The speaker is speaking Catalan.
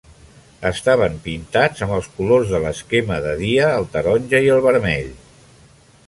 Estaven pintats amb els colors de l"esquema "de dia", el taronja i el vermell.